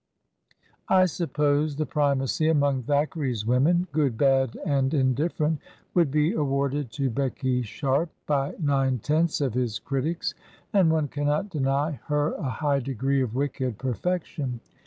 I suppose the primacy among Thackeray's women, good, bad, and indifferent, would be awarded to Becky Sharp, by nine tenths of his critics, and one cannot deny her a high degree of wicked i)erfection.